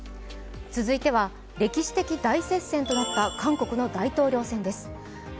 続いては歴史的大接戦となった韓国の大統領選です。